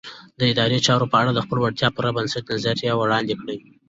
د ادارې چارو په اړه د خپلو وړتیاوو پر بنسټ نظریه وړاندې کړئ.